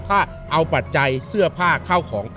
ถ้าเอาปัจจัยซื่อผ้าของ